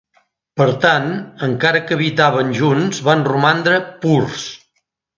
Per tant, encara que habitaven junts, van romandre "purs".